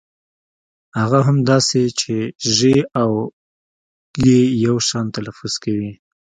هغه هم داسې چې ږ او ژ يو شان تلفظ کوي.